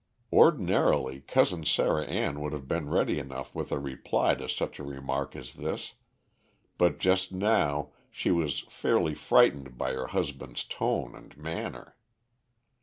Ordinarily Cousin Sarah Ann would have been ready enough with a reply to such a remark as this, but just now she was fairly frightened by her husband's tone and manner.